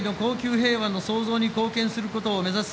平和の創造に貢献することを目指す